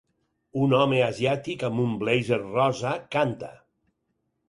Un home asiàtic amb un blazer rosa canta.